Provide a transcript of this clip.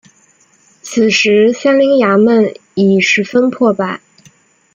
此时三陵衙门已十分破败。